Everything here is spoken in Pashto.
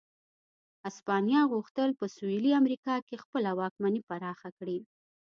هسپانیا غوښتل په سوېلي امریکا کې خپله واکمني پراخه کړي.